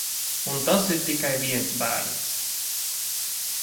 Un tas ir tikai viens bērns...